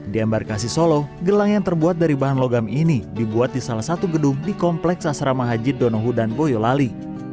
di embarkasi solo gelang yang terbuat dari bahan logam ini dibuat di salah satu gedung di kompleks asrama haji donohu dan boyolali